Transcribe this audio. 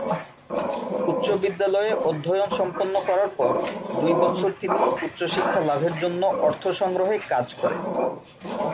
উচ্চ বিদ্যালয়ে অধ্যয়ন সম্পন্ন করার পর দুই বছর তিনি উচ্চশিক্ষা লাভের জন্য অর্থ সংগ্রহে কাজ করেন।